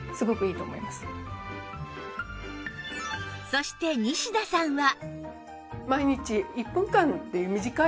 そして西田さんは